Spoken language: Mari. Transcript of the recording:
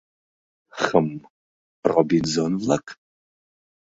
Х-м, робинзон-влак?